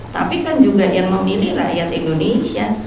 tapi kan juga yang memilih rakyat indonesia